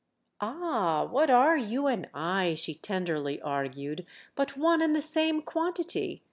"Ah, what are you and I," she tenderly argued, "but one and the same quantity?